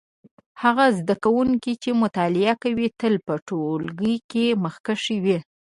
هغه زده کوونکی چې مطالعه کوي تل په ټولګي کې مخکښ وي.